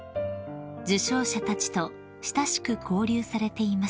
［受賞者たちと親しく交流されていました］